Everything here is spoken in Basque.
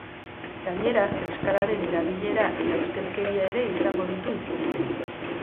Gainera, euskararen erabilera eta ustelkeria ere izango ditu hizpide.